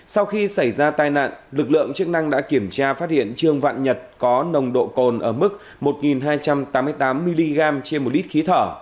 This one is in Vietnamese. sau khi xảy ra tai nạn lực lượng chức năng đã kiểm tra phát hiện trương vạn nhật có nồng độ cồn ở mức một hai trăm tám mươi tám mg trên một lít khí thở